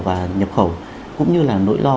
và nhập khẩu cũng như là nỗi lo